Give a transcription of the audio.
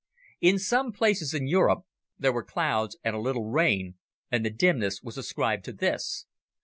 In some places in Europe, there were clouds and a little rain, and the dimness was ascribed to this.